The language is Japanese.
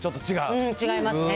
違いますね。